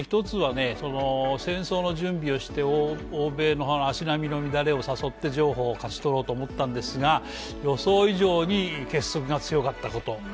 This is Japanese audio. １つは、戦争の準備をして欧米の足並みを診だして譲歩を勝ち取ろうと思ったんですが予想以上に結束が強かったこと。